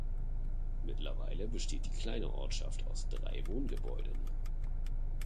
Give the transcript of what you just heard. Mittlerweile besteht die kleine Ortschaft aus drei Wohngebäuden.